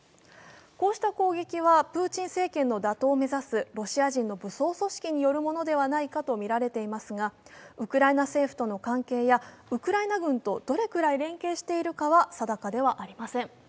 こうした攻撃はプーチン政権打倒を目指すロシア人の反政府組織の攻撃ではないかとみられますがウクライナ政府との関係やウクライナ軍とどれくらい連携しているかは定かではありません。